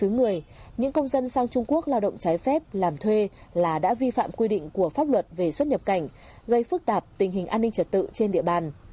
những người những công dân sang trung quốc lao động trái phép làm thuê là đã vi phạm quy định của pháp luật về xuất nhập cảnh gây phức tạp tình hình an ninh trật tự trên địa bàn